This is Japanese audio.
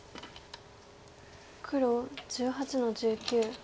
黒１８の十九。